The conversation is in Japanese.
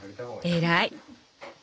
偉い！